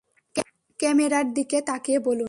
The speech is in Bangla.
ক্যামেরার দিকে তাকিয়ে বলুন।